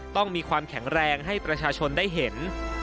ต้องมีความแข็งแรงให้ประชาชนได้เห็น